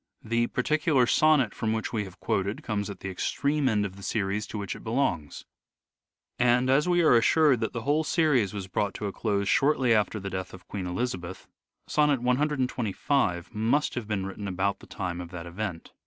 The particular sonnet from which we have quoted comes at the extreme end of the series to which it belongs ; and, as we are assured that the whole series was brought to a close shortly after the death of Queen Elizabeth, sonnet 125 must have been written about the time of that event.